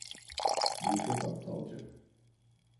Bu çok aptalca.